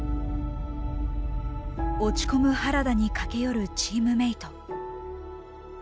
落ち込む原田に駆け寄るチームメート。